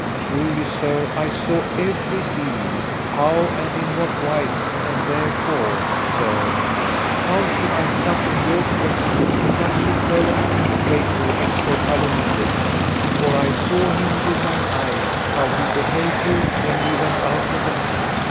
Truly, sir, I saw every deal, how and in what wise, and therefore, sir, how should I suffer in your presence such a felon and traitor as Sir Palomides; for I saw him with mine eyes, how he beheld you when ye went out of the field.